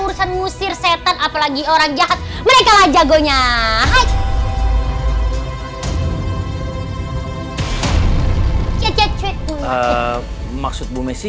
urusan musir setan apalagi orang jahat mereka aja gonya hai hai hai hai hai maksudmu mesi